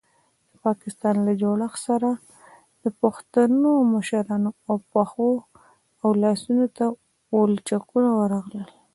د پاکستان له جوړښت سره د پښتنو مشرانو پښو او لاسونو ته ولچکونه ورغلل.